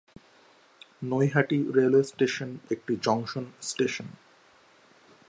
Naihati railway station একটি junction station.